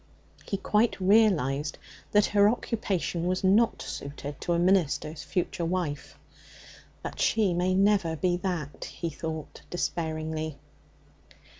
He quite realized that her occupation was not suited to a minister's future wife. 'But she may never be that,' he thought despairingly.